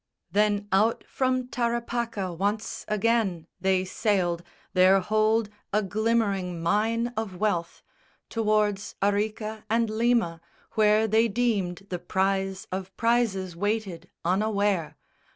Then out from Tarapaca once again They sailed, their hold a glimmering mine of wealth, Towards Arica and Lima, where they deemed The prize of prizes waited unaware.